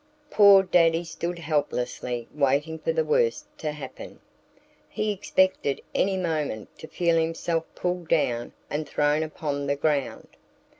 Poor Daddy stood helplessly waiting for the worst to happen. He expected any moment to feel himself pulled down and thrown upon the ground.